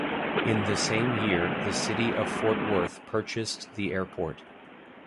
In the same year the city of Fort Worth purchased the airport.